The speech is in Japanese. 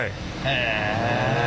へえ。